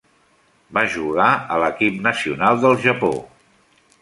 Va jugar a l'equip nacional del Japó.